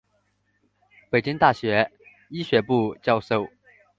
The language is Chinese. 北京大学医学部教授。